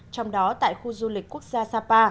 trong đó tại khu du lịch quốc gia sapa